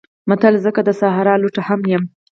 متل: زه که د صحرا لوټه هم یم